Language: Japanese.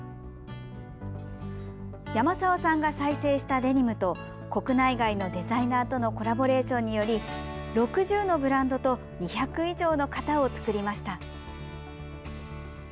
山澤さんが再生したデニムと国内外のデザイナーとのコラボレーションにより６０のブランドと２００以上の型を作りました。